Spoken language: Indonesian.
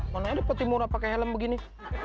mana ada peti murah pakai helm begini